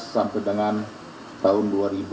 sampai dengan tahun dua ribu dua puluh